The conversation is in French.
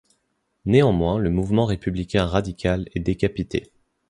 Néanmoins le mouvement républicain radical est décapité.